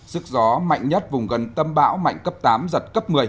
sức gió mạnh nhất vùng gần tâm bão mạnh cấp tám giật cấp một mươi